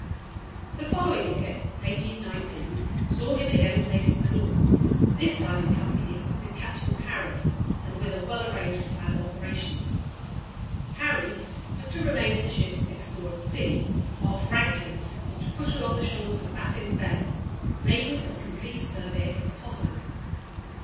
The following year, 1819, saw him again facing the North, this time in company with Captain Parry, and with a well arranged plan of operations. Parry was to remain in the ships and explore at sea, while Franklin was to push along the shores of Baffin's Bay, making as complete a survey as possible.